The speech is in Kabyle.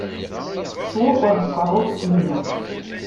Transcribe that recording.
Tettwaker tkeṛṛust-nni.